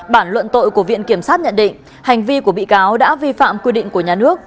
bản luận tội của viện kiểm sát nhận định hành vi của bị cáo đã vi phạm quy định của nhà nước